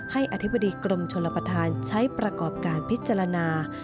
อธิบดีกรมชลประธานใช้ประกอบการพิจารณา